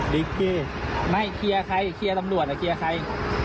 อีกทีไม่เคลียร์ใครเคลียร์ตำรวจเคลียร์ใคร